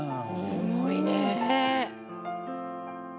すごいねえ。